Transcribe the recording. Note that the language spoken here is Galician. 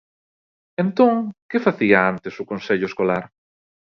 Entón, ¿que facía antes o Consello Escolar?